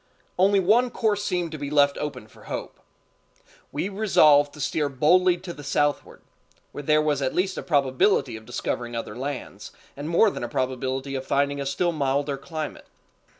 Only one course seemed to be left open for hope. We resolved to steer boldly to the southward, where there was at least a probability of discovering other lands, and more than a probability of finding a still milder climate.